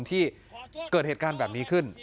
ที่เกิดเหตุการณ์แบบนี้ขึ้น